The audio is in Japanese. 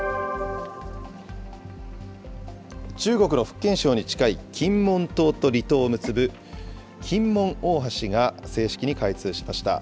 中国の福建省に近い金門島と離島を結ぶ金門大橋が正式に開通しました。